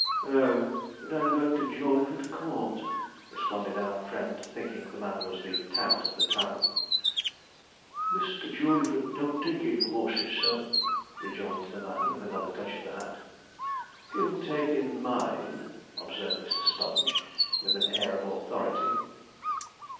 'Oh! but I'm going to Jawleyford Court,' responded our friend, thinking the man was the 'tout' of the tavern. 'Mr. Jawleyford don't take in horses, sir,' rejoined the man, with another touch of the hat. 'He'll take in mine,' observed Mr. Sponge, with an air of authority.